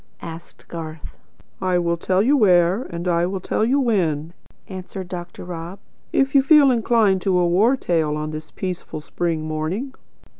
asked Garth. "I will tell you where, and I will tell you when," answered Dr. Rob, "if you feel inclined for a war tale on this peaceful spring morning."